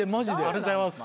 ありがとうございます。